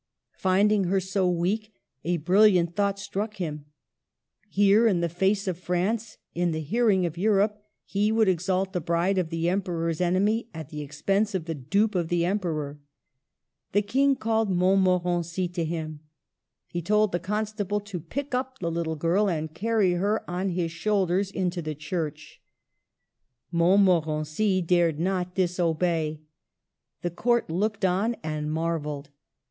Finding her so weak, a brilliant thought struck him. Here, in the face of France, in the hearing of Europe, he would exalt the bride of the Emperor's enemy at the expense of the dupe of the Emperor. The King called Montmorency to him. He told the Constable to pick up the little girl and carry her on his shoulders into the church. 1 88 MARGARET OF ANGOULEME. Montmorency dared not disobey. The Court looked on and marvelled.